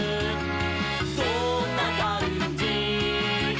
どんなかんじ？」